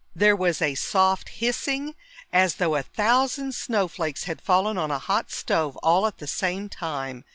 There was a soft hissing, as though a thousand snowflakes had fallen on a hot stove all at the same time.